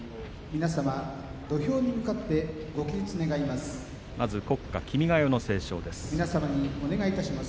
皆様、土俵に向かってご起立、願います。